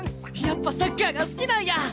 やっぱサッカーが好きなんや！